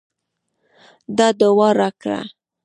دا دوا راکه.